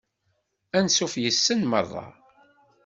Ansuf yes-sen merra.